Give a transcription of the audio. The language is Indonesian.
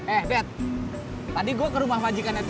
eh bet tadi gua ke rumah wajikannya tini